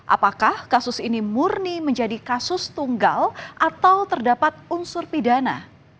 apakah kasus ini murni menjadi kasus tunggal atau terdapat unsur pidana